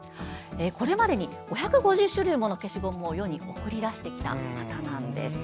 これまでに５５０種類もの消しゴムを世に送り出してきた方です。